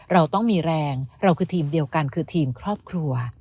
เราต้องมีแรงเราคือทีมเดียวกันคือทีมครอบครัว